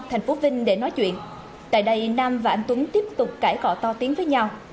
thành phố vinh để nói chuyện tại đây nam và anh tuấn tiếp tục cải cọ to tiếng với nhau